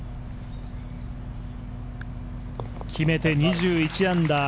決めて２１アンダー